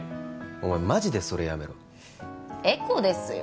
お前マジでそれやめろエコですよ